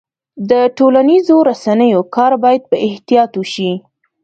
د ټولنیزو رسنیو کار باید په احتیاط وشي.